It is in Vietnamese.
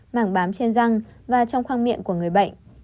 mảng bám trên răng và trong khoang miệng của người bệnh